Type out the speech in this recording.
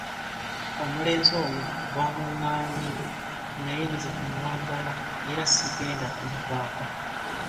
Omulenzi oyo baamungaanye naye nze mmwagala era sigenda kumuvaako.